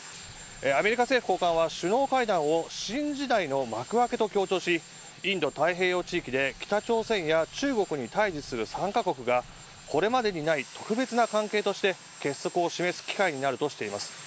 アメリカ政府高官は首脳会談を新時代の幕開けと強調しインド太平洋地域で、北朝鮮や中国に対峙する３カ国がこれまでにない特別な関係として結束を示す機会になるとしています。